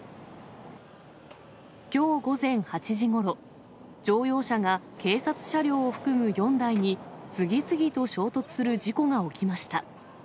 きょう午前８時ごろ、乗用車が警察車両を含む４台に次々と衝突する事故が起きました。